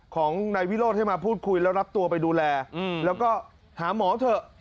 ของนายวิโรธให้มาพูดคุยแล้วรับตัวไปดูแลแล้วก็หาหมอเถอะ